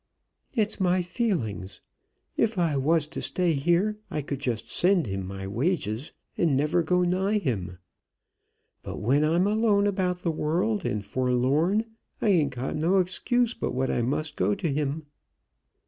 "It's my feelings. If I was to stay here, I could just send him my wages, and never go nigh him. But when I'm alone about the world and forlorn, I ain't got no excuse but what I must go to him."